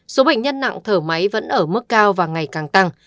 số bệnh nhân nặng thở máy vẫn ở mức cao và ngày càng tăng